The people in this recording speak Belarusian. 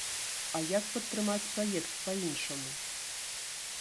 А як падтрымаць праект па-іншаму?